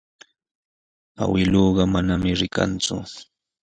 Awkilluu manami rikanku.